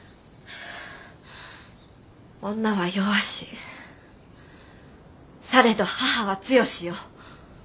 「女は弱しされど母は強し」よ。